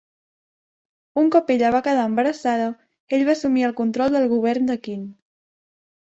Un cop ella va quedar embarassada, ell va assumir el control del govern de Qin.